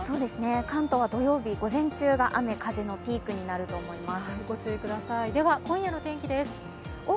関東は土曜日、午前中が雨、風のピークになると思います。